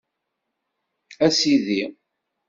A Sidi!